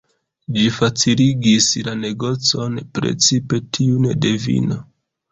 Ĝi faciligis la negocon, precipe tiun de vino.